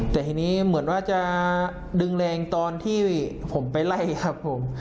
แต่ทีนี้เหมือนว่าจะดึงแรงตอนที่ผมไปไล่ครับผม